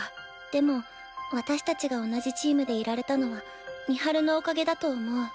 でも私たちが同じチームでいられたのは美晴のおかげだと思う。